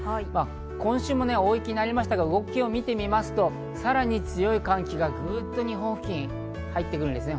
今週も大雪になりましたが動きを見てみますと、さらに強い寒気がグッと日本付近に入ってくるんですね。